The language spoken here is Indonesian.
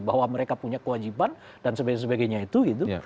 bahwa mereka punya kewajiban dan sebagainya itu gitu